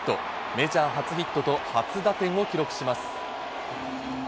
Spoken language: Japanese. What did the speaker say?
メジャー初ヒットと初打点を記録します。